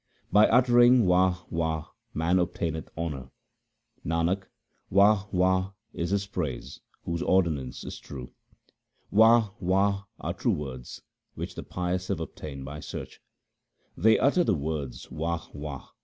By uttering Wah ! Wah ! man obtaineth honour. Nanak, Wah ! Wah ! is His praise whose ordinance is true. Wah ! Wah ! are true words which the pious have ob tained by search : They utter the words Wah ! Wah